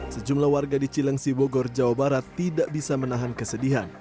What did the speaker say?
sejumlah warga di cilengsi bogor jawa barat tidak bisa menahan kesedihan